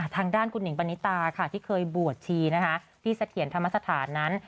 ทางด้านคุณหิงปณิตาค่ะที่เคยบวชชีนะคะพี่เสถียรธรรมสถานนั้น